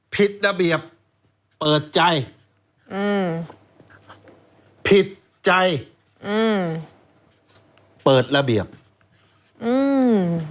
ผิดระเบียบเปิดใจอืมผิดใจอืมเปิดระเบียบอืม